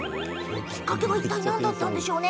きっかけはいったい何だったんでしょうか。